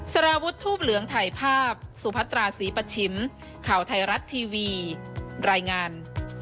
สารวุฒิทูปเหลืองถ่ายภาพสุพัตราศรีปัชชิมข่าวไทยรัฐทีวีรายงาน